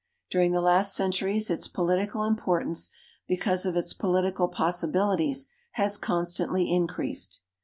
During the last centuries its i)olitical imi)ortance, because of its political possibilities, has constantly increased.